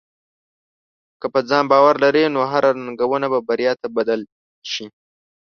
که په ځان باور لرې، نو هره ننګونه به بریا ته بدل شې.